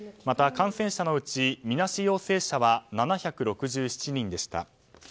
また、感染者のうちみなし陽性者は７６７人でした。